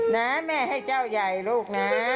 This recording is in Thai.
แม่ให้เจ้าใหญ่ลูกนะ